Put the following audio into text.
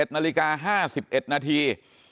๑นาฬิกา๕๑นาที